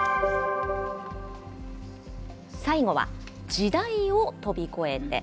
最後は時代を飛びこえて。